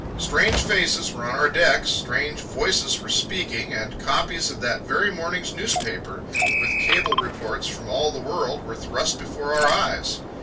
Strange faces were on our decks, strange voices were speaking, and copies of that very morning's newspaper, with cable reports from all the world, were thrust before our eyes.